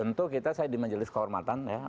tentu kita saya di majelis kehormatan ya